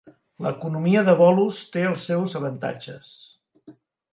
L'economia de bolos té els seus avantatges.